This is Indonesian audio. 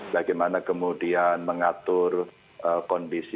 bagaimana kemudian mengatur kondisi